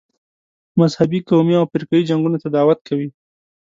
مذهبي، قومي او فرقه یي جنګونو ته دعوت کوي.